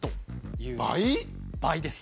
倍です。